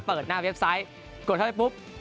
เปิดหน้าเว็บไซต์กดเข้าไปปุ๊บ